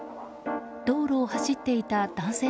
道路を走っていた男性